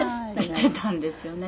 「してたんですよね。